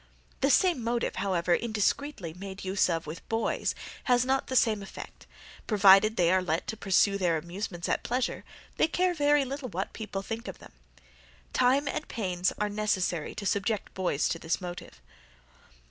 The same motive, however, indiscreetly made use of with boys, has not the same effect: provided they are let to pursue their amusements at pleasure, they care very little what people think of them. Time and pains are necessary to subject boys to this motive.